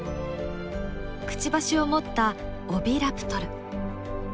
くちばしを持ったオヴィラプトル。